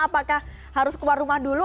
apakah harus keluar rumah dulu